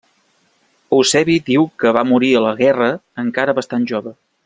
Eusebi diu que va morir a la guerra encara bastant jove.